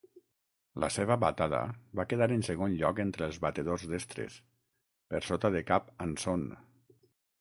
La seva batada va quedar en segon lloc entre els batedors destres, per sota de Cap Anson.